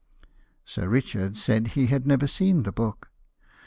Sir Richard said he had never seen the book.